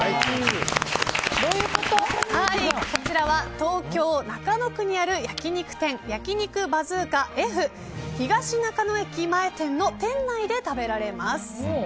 こちらは東京・中野区にある焼肉バズーカＦ東中野駅前店の店内で食べられます。